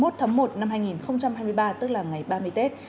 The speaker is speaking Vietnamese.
tháng một năm hai nghìn hai mươi ba tức là ngày ba mươi tết